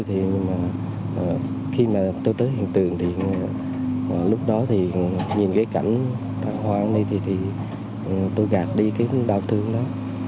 khi tôi tới hiện tượng lúc đó nhìn cảnh thảm họa này tôi gạt đi đau thương đó